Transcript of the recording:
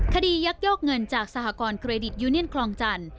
ยักยอกเงินจากสหกรณเครดิตยูเนียนคลองจันทร์